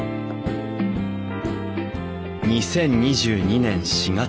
２０２２年４月。